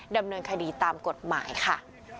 ดำเนินคดีตามกฎหมายค่ะ